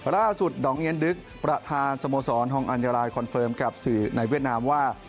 ดอกเนียนดึกประธานสโมสรฮองอัญญาลายคอนเฟิร์มกับสื่อในเวียดนามว่า